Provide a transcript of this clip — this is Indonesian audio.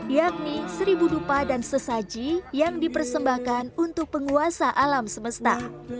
yakni seribu dupa dan sesaji yang dipersembahkan untuk penguasa alam semesta